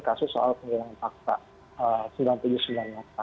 kasus soal penyelenggaraan fakta